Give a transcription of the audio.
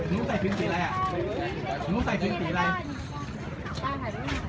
นู้ใส่พิมพ์สีขาว